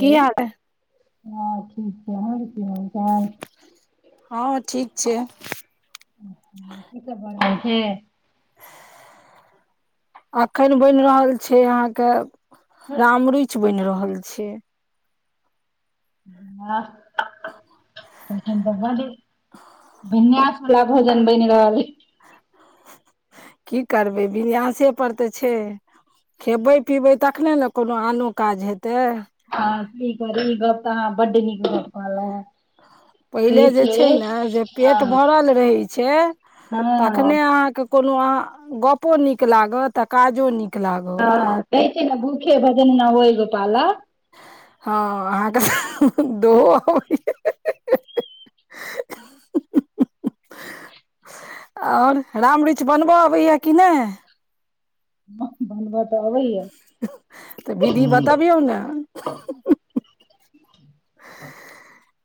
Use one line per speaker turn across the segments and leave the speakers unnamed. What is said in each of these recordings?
की हाल है?
हँ ठीक छै आहा के की हाल चाल
हँ ठीक छीए
की सब भ रहल छै
अखन बनि रहल छै अहाँ के राम रुइचि बनि रहल छै
ह
[inaudible]
भन्यस वला भोजन बनि रहल [unintelligible] [inaudible]
की करबै विनायासे पर तऽ छै खेबै पिबै तखने ने कोनो आनो काज हेतै
हँ इ इ गप त अहा बड निक कहलु है
पहिले जे छै ने जे पेट
हँ
भरल रहैत छै
हँ
तखने अहाँके कोनो अह गपो नीक लागत आ काजो नीक लागत
ह च ने बूखे भजन ना होय गोपाला
हँ अहाँके त दो अब
[inaudible]
आओर राम रुचि बनबऽ अबैया कि नहि
बनबा तऽ अबैय
तऽ विधि बतबियौ ने
हँ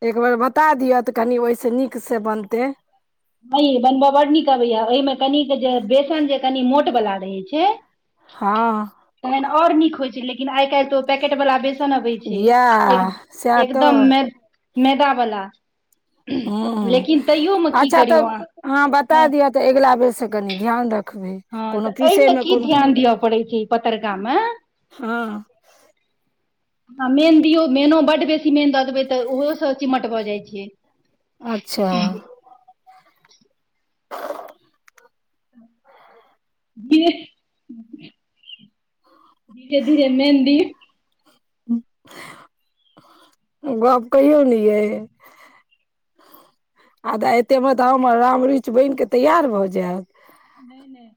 एक बेर बता दिअ तऽ कनि ओहिस नीक से बनते
ह बनबय बड्ड नीक अबैया ओहिमे कनिक जे बेसन जे कनि मोट बला रहै छै
हँ
तखन आओर नीक होइत छै लेकिन आइ काल्हि तऽ पैकेट वाला बेसन अबै छै
इएह सएह
एकदम
तऽ
मै मैदा वाला
हूँ
लेकिन तैयोमे की
अच्छा तऽ
करियौ अहाँ
अहा बता
हँ
दिअ तऽ अगिला बेर से कनि ध्यान रख
हँ तऽ एहिमे की ध्यान दिअ पड़ै छै ई पतरका मे
हँ
आ मेन दियौ मेनो बड्ड बेसी मेन दऽ देबै तऽ ओहोसँ चिमट भऽ जाइत छैै
अच्छा [inaudible]
जे [unintelligible] धीरे धीरे मेन दि
गप्प कहिओ नहि ये आ तऽ एतेमे तऽ हमर राम रच बन कऽ तैयार भऽ जायत
नहि नहि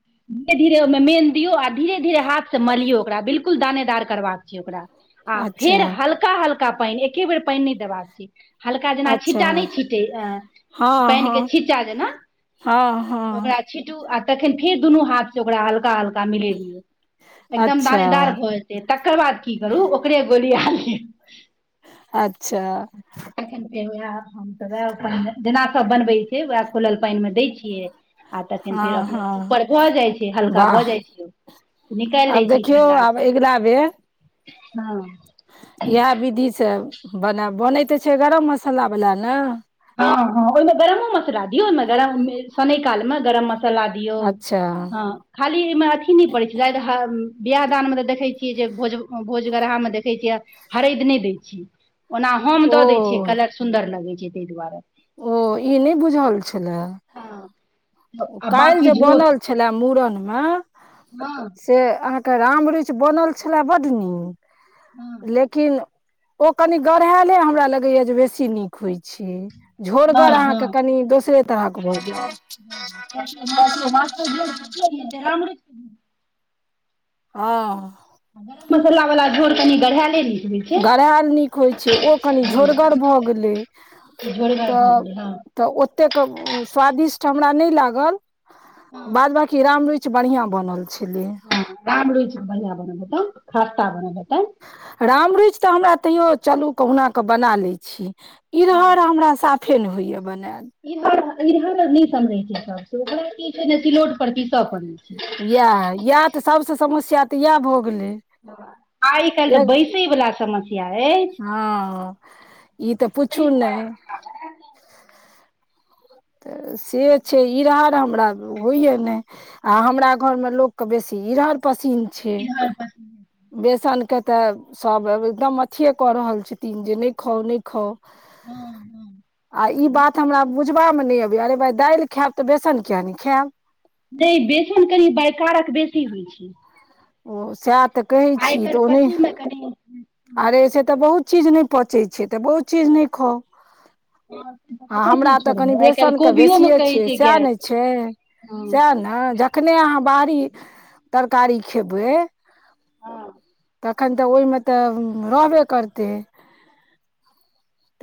धीरे धीरे ओहिमे मेन दियौ आ धीरे धीरे हाथ से मरियौ ओकरा बिलकुल बिल्कुल दानेदार करबाक छै ओकरा आ फेर
अच्छा
हल्का हल्का हल्का पानि एके बेर पानि नहि देबाक छै हल्का जेना
अच्छा
छिट्टा नहि छिटे अ
हँ
पानिके
हँ
छी्टा जेना
हँ हँ
ओकरा छीटू आ तखन फेर दुनू हाथ से ओकरा हल्का हल्का मिलेेलियो एकदम
अच्छा
दानेदार भए तकर बाद की करू ओकरे गोलीया लिए
अच्छा
[unintelligible] हम तऽ वएह जेना सब बनबै छै उएह खुलल पानि मे दै छियै आ तऽ
हँ
फेर अपने
हँ
ऊपर भऽ जाइत छै हल्का भऽ
वाह
जाइ छै निकालि दै
आब
छी
देखियौ
ठण्डा
आब
क
अगिला बेर
हँ
इएह विधि से बना बनैत त छै गरम मसाला वला ने
ह ओहिमे गरमो मसाला दियऔ ओहि गर साने काल में गरम मसाला दियो
अच्छा
खालीमे अथी प बियाह दान मे तऽ देखै छियै जे भोज भोज गरहामे देखै छियै हरद नहि दै छीयै ओना हम
ओ
दऽ दै छियै कलर सुन्दर लगै छै ताहि दुआरे
ओ ई नहि बुझल छलए
हँ
ओ काल्हि जे बनल छलए मुड़न मे
हँ
से अहाँके राम रुइच बनल छलए बड नीक
हँ
लेकिन ओ कनि गढ़ायले हमरा लगैया जे बेसी नीक होइ छै
हँ
झोरगर अहाँके
हँ
कनि दोसरे तरह के भऽ जात
[unintelligible]
हँ
गरम मसाला वला झोर कनि गढ़ा लेली
गरायल नीक होइत छै ओ कनि
हँ
झोरगर भऽ गेलै
झोरगर
तऽ
भऽ गेलै हँ
तऽ ओतेक स्वादिष्ट हमरा नहि लागल
हँ
बाद बाकी राम रुइच किछु बढ़िआँ बनल छलै
ह राम रुइच बढ़िया बनल हे ते खास्ता बनल हेते
राम रुचि तऽ हमरा तैयो चलू कहुना कऽ बना लै छीय इधहर हमरा साफ फेन होइया बनायल
ईरहरआ नहि समरे छै सब ओकरा की छै ने सिलौट पर पीसय पड़े छै
इएह इएह तऽ सबसे समस्या तऽ इएह भऽ गेलै
आइ काल्हि तऽ
एक
बैसै वला समस्या अछि
हँ ई तऽ पुछू ने
अर
तऽ से छै ई रार हमरा होइय नहि आ हमरा घरमे लोक के बेसी इरहर पसीन छै
इधर पसन्द
बेसनके तऽ सभ एकदम अथिए कऽ रहल छथिन जे नहि खाउ नहि खाउ
अछि। हँ हँ
आ ई बात
बेसन
हमरा बुझ ा मे नहि अब अरे भाय दाल खायब तऽ बेसन किया ने खायब
जे बेसन कनि बैकारक बेसी होइ छै
ओ सएह तऽ कहै
आइ
छी
काल्हि
तऽ ओ नहि
पचै मे कनि
अरे से तऽ बहुत चीज नहि पचै छै तऽ बहुत चीज नहि खाउ
से तऽ
आ
कते
हमरा
चीज
तऽ
छोड़बै
कनि
आइ काल्हि
बेसनके बेसिए छियै सएह ने छै
ह
सएह ने जखने अहाँ बाहरी तरकारी खेबै
हँ
तखन तऽ ओहिमे तऽ रहबे करते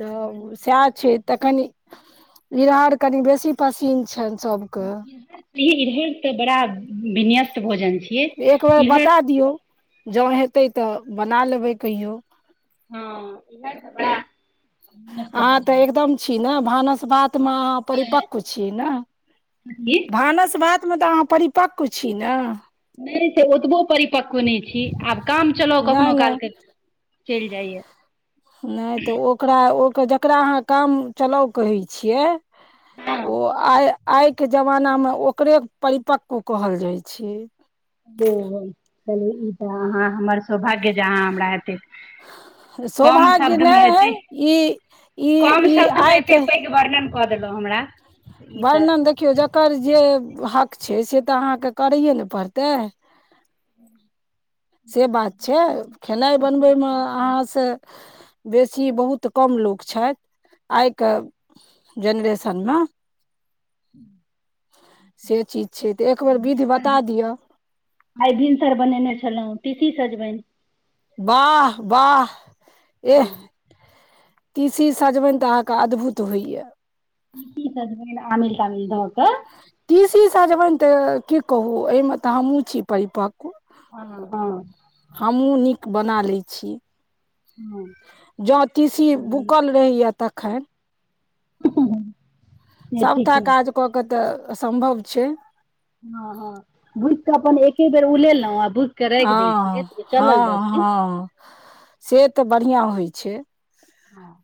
तऽ सएह छै तऽ कनि इरहर कनि बेसी पसीन छै
इरहर तऽ बड़ा विन्यस्त भोजन छियै इरहेर
जं हेतै तऽ बना लेबै कहियो
हँ इहाय हमरा
अहाँ तऽ एकदम छी ने भानस भातमे अहाँ
छै
परिपक्व छी ने
कथी?
भानस भात मे तऽ अहाँ परिपक्व छी न
नहि से ओतबो परिपक्व नहि छी आब काम चलाउ कखनो
नहि
कालके चैल जाइए
नहि तऽ ओकरा ओकर जकरा अहाँ काम चलाउ कहै छियै
हँ
ओ आय आइ के जमानामे ओकरे परिप्कव कहल जाइ छै
ह चलू ई तऽ अहाँ हमर सौभाग्य जे अहाँ हमरा हेतै कम
सौभाग्य
शब्दमे
नहि
एतै
हइ ई ई
कम
ई
शब्दमे एतै
आइके
पैघ वर्णन कऽ देलहू हमरा ई तऽ
वर्णन देखियौ जकर जे हक छै से तऽ अहाँके करैए न पड़तै
हूँ
से बात छै खेनाइ
अपने
बनबैमे
से बड़ा कम।
अहाँसँ बेसी बहुत कम लोक छथ आइके जनरेसन म
हू
से चीज छै तऽ एकबर विधि बता दिअ
आई भिनसर बनेने छलहुं तीसी सजबनि
वाह वाह एह तीसी सजवनि तऽ अहाँके अद्भुत होइया
तीसी सजमेन आमिल तामिल धकऽ
ती सी सजबनि तऽ की कहू एहिमे तऽ हमहुँ छी परिपक्व
हँ हँ
हमहुँ नीक बना लैइय छी
हूँ
जँ तीसी भूकल रहैया तखन
से ठीक
सभटा
रहै
काज कऽ के तऽ सम्भव छै
हँ हँ भुजक अपन एके बेर उलेलउ
हँ हँ
दिन
हँं से तऽ बढ़िआ होइ छै
हँ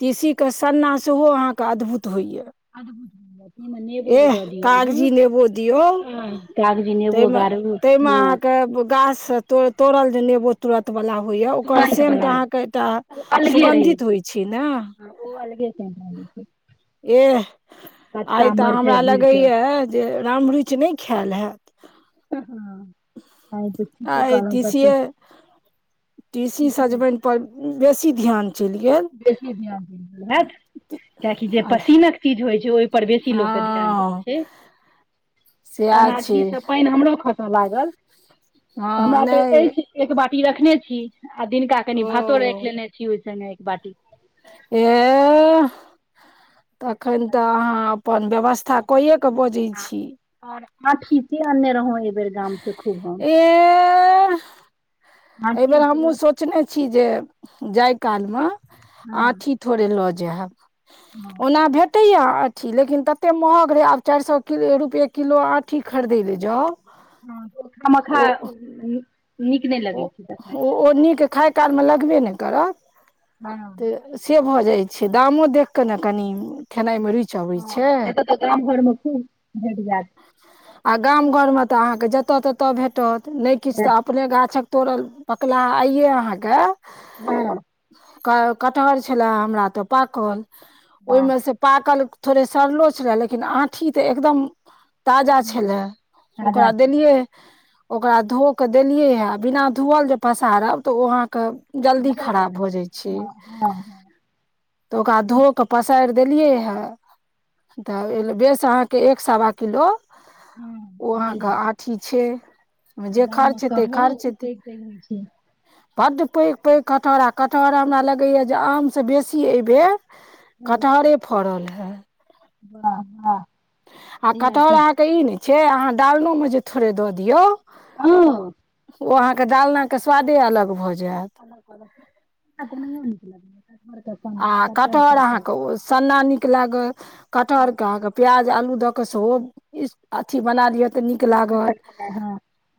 तीसीके सन्ना सेहो अहाँके अद्भुत होइए
अदभुत भेलय नेबो जे
एह
द दियौ
कागजी नेबो दियौ
अहाँ कागजी नेबो गार
ताहि मे अहाँके गाछ से तोड़ल जे नेबो [unintelligible] तुरत बला होइया ओकर
तुरन्त
सेंट
बला
अहाँके एकटा
ओ अलगे रहै
सुगन्धित होइ छै ने
छै हँ, ओ अलगे क छै
एह आइ
कचका
तऽ
मरचाइ
हमरा
भुजि कऽ
लगैए जे राम रूइच नहि खायल हैत
हँ आइ तऽ ठीके
आय
कहलहुँ तते
तीषिये तीसी
ठीके
सजबनि पर बेसी ध्यान चलि गेल
बेसी ध्यान दे दिहैथ किएकी जे पसीनक चीज होइ छै ओहिपर बेसी लोक के ध्यान जाय
हँ
छै
सएह
ओना
छै
जी से पानि हमरो खस खस लागल
हँ
हमरा तऽ
नहि
अछि एक बाटी रखने छी आ दिनका कनि
ओ
भातो राखि लेने छी ओहि संगे एक बाटी
एह तखन तऽ अहाँ अपन व्यवस्था कयए कऽ बजैत छी
आ आ खीच आनने रह एहि बेर गामसँ खूब हम
एहि बेेर
आँठी
हमहुँ
सेहो।
सोचने छी जे जाय काल मे
हँ
आठी थोड़े लऽ जायब
हँ
ओना भे कतै य आँठी लेकिन तते महग रहै आब चारि सए रुपए किलो आँठी खरीदै लए जाउ
होखा मखा
ओ
नीक नहि लगै
ओ
छै त
ओ नीक खाय कालमे लगबे नहि करत
हँ
तऽ से भऽ जाइ छै दामो देख कऽ ने कनी खेनाइ मे रुचि अबै
हँ
छै
ए तऽाम घरमे खूब भेट जात
आ गाम घरमे तऽ अहाँके जतऽ तत भेटत नहि किछु तऽ अपने गाछ शिक्षक तोड़ल पकला आइए अहाँके
हँ
कटहर छलए हमरा तऽ पाकल
हँ
ओहिमे से पाकल थोड़े सड़लो छलय लेकिन आँठी तऽ एकदम ताजा
हँ
छलै ओकरा
ताजा छलै
देलियै ओकरा धो के देलियै ह बिना धूअल जे पसारब तऽ ओ अहाँके जल्दी
दोसर
खराब
तरह
भ जाइ छै
हँ हँ
तऽ ओकरा धो कऽ पसारि देलियै हे तऽ बेस अहाँ के एक सवा किलो
हँ
ओ
भेल
अहाँके
हैत
आठी छै जे खर्च हेतै खर्च
पै होइ छै
बड्ड पैघ पैघ कटहर आ कटहर हमरा लगैया जे आमसँ बेसी एहि बेर
हँ,
कटहरे फड़ल हे
वाह हाह
आ कटहर अहाँके ई नहि छै अहाँ डालनोमे जे थोड़े दऽ दियौ
ओ
ओ अहाँके डालनाके स्वादे अलग भऽ जायत
[unintelligible]
आ कटहर अहाँके ओ सन्ना नीक लागत
हँ
कटहरके अहाँके प्याज आलू दऽ क सेहो अथी बना लिअ तऽ नीक लागत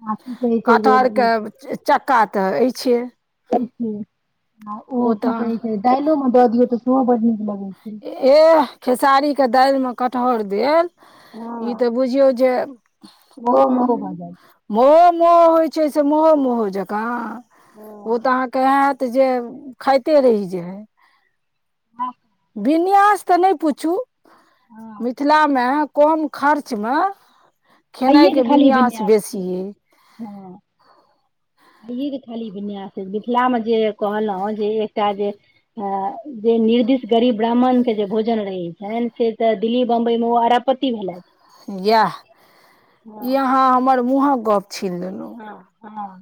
ह की कहे छी
कटहरके चक्का तऽ अछि
ओ की
तऽ
कहे छै दाइलो में दऽ दियौ तऽ सेहो बड नीक लगे छै
एह खेसारी के दालि मे कठहर देल ई
हँ
तऽ बुझियौ जे
ओहो मोहो भऽ जायत
मो मो होइ छै से महो महो जकाँ ओ तऽ अहाँके हत तऽ जे खाइते रहि जे हय
हँ
विन्यास तऽ नहि पुछू
हँ
मिथिलामे कम खर्चमे
खाइये के
खेनाइके
खाली
विन्यास बेसी
छै
अइ
हँ [unintelligible] खाली विन्यास अछि मिथिलामे जे कहलहुँ जे एकटा जे जे निर्दिष्ट गरीब ब्राह्मण के जे भोजन रहै छनि से तऽ दिल्ली बम्बई मे ओ आरापत ती भेलैथि
इएह ई अहाँ हमर मुँहक गप छीन लेलहुँ
ह हँ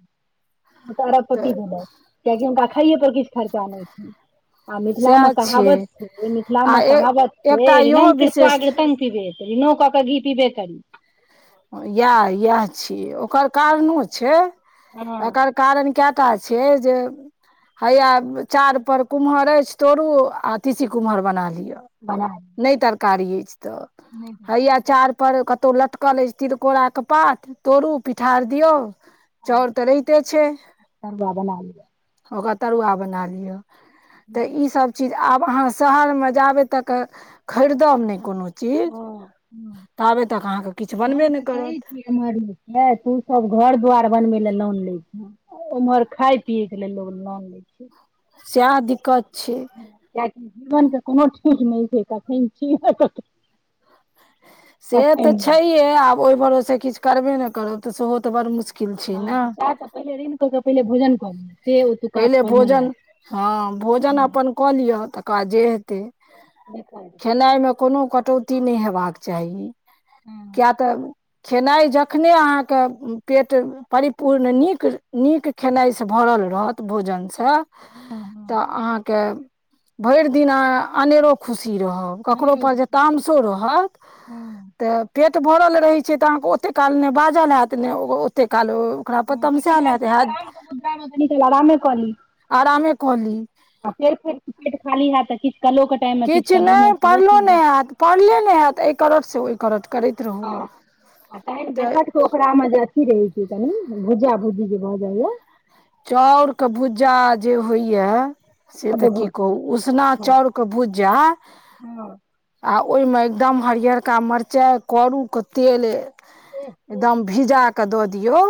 तारा
तऽ
पती भे लैथ कियाकि हुनका खाइयए पर किछु खर्चा नहि छनि आ मिथिलामे
सएह
कहावत
छियै
छै
आ
मिथिलामे
ए
कहावत
एकटा
छै‌
इहो
कृत
विशेष
आगृत रनों करके घी पी से करी
इएह इएह छीयै ओकर कारणो छै
हँ
एकर कारण केटा छै जे हैया चार पर कुम्हर अछि तोरु आ तीसी कुमहर बना लिअ
बनाय
नहि तरकारी अछि तऽ हैया चार पर कतहु ल कल अछी तिलकोराके पात तोड़ू पिठार दियौ
आलू
चौउर तऽ रहिते छै
तरुआ बना लिअ
ओकर‌तरुआ बना लियतऽ ईसभ चीज आब अहाँ शहरमे जाबे तक खरीदब नहि कोनो चीज
हँ हँ
ताबे त कहाँ
हम तऽ कहै छीय एमहर तू सब घर द्वार बनबे ल लोन लै छ उम्हर खााय पियए के लेल लोग लान लै छै
सएह दिक्कत छै
कियकि जीवन के कोनो ठीक नहि छै कखन छीय
से तऽ
नहि
छैये आब ओहि भरोसे किछ करबे ने करब तऽ सेहो तऽ बड़ मुशकिल
हँ त स तऽ पहिले ऋण कऽ के पहिले भोजन कऽ लिय
पहिले भोजन हँ भोजन
हँ
अपन कलिय तक बा जे हेतै
देखल
खेनाइ मे कोनो की नहि हेबाक चाही
हँ
किया
हँ
तऽ खेनाइ जखने अहाँके पेट परिपूर्ण नीक नीक खेनाइसँ भरल रहत भोजन स स
हँ
तऽ अहाँके भरि दिना अहाअनेरो खुशी रहब ककरो
हँ
पर जे तामसो रहत
हँ
तऽ पेट भरल रहै छै तऽ अहाँके ओतेक काल नहि बाजल हयत नहि ओतेक काल ओकरा पर तमसेल हेत
न छल कन काल करायें कली
आरामे कऽ ली
आ फेर फेर पेट खाली हयत त किछु कलो टाइम मे
किछु
कलो मे
नहि
सेहो पी
पढ़लो ने
लेब
हयत पढ़ले ने हयत एहि करट से ओहि करट करैत रहू
ह रहें
तऽ
फर्स्ट ओकरामे की रहै छै कनी भुजा-भुजी जे भऽ जाइया
चाउरके भुज्जा जे होइयाए से तऽ की
अद्भुत
कहू उसना चाउरके भुज्जा आ ओहिमे एकदम हरियरका मरचाइ, करूके तेल एकदम भिजा कऽ दऽ दियौ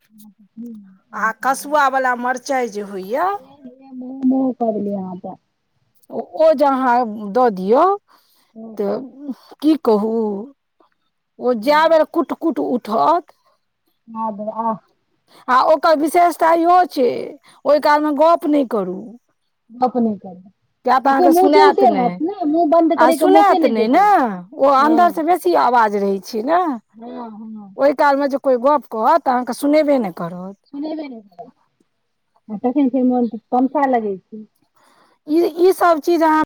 ह [unintelligible]
आ कसुआवला मरचाइ जे होइए
महो-महो कऽ देलियै अहाॅं तॅं
ओ जे अहाँ दऽ दियौ
अहाँ
तऽ की कहू ओ जाए बेर कुट-कुट उठत
आ बौआ आ
आ ओकर विशेषता इहो छै ओहि कालमे गप नहि करू
[unintelligible] नहि करू
किया तऽ अहाँके सुनायत नहि
बंन्द
आ
करे के मौके
सुनायत नहि
देत
ने
ओ
ओ
हँ
अन्दरसे बेसी बेसी आवाज रहै छै ने!
हँ हँ
ताहि कालमे जे कोइ गप कहत तऽ अहाँके सुनेबे नहि करत
सुनेबे नहि करत आ तखन छै मन [unintelligible] लगै
ई, ई सब चीज अहाँ